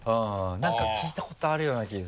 何か聴いたことあるような気がする。